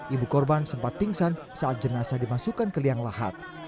ibu korban sempat pingsan saat jenazah dimasukkan ke liang lahat